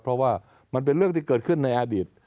เพราะว่ามันเป็นเรื่องที่เกิดขึ้นในอดีต